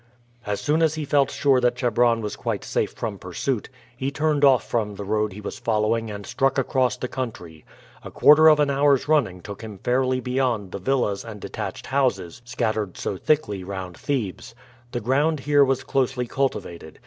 As soon as he felt sure that Chebron was quite safe from pursuit, he turned off from the road he was following and struck across the country. A quarter of an hour's running took him fairly beyond the villas and detached houses scattered so thickly round Thebes. The ground here was closely cultivated.